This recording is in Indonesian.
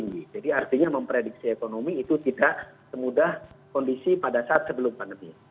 artinya memprediksi ekonomi itu tidak semudah kondisi pada saat sebelum pandemi